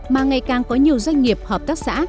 mà ngày càng có nhiều doanh nghiệp hợp tác xã